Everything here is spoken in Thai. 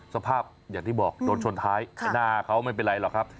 สภาพอย่างที่บอกโดนชนท้ายหน้าเขาไม่เป็นไรหรอกครับ